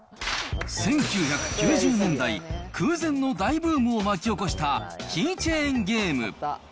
１９９０年代、空前の大ブームを巻き起こしたキーチェーンゲーム。